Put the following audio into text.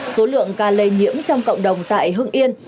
số lượng ca lây nhiễm trong cộng đồng tại hưng yên